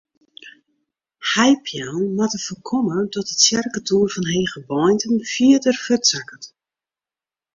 Heipeallen moatte foarkomme dat de tsjerketoer fan Hegebeintum fierder fuortsakket.